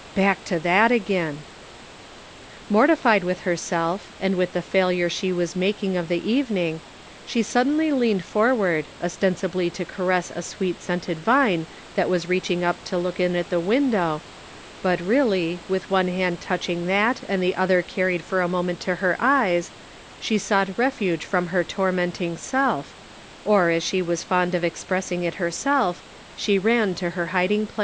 Back to that again ! Mortified with herself, and with the failure that she was making of the evening, she sud denly leaned forward, ostensibly to caress a sweet scented vine that was reaching up to look in at the window, but really with one hand touching that and the other carried for a moment to her eyes, she sought refuge from her tormenting self, or, as she was fond of expressing it herself, she ran to her hiding place.